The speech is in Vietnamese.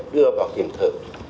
đưa vào kiểm thử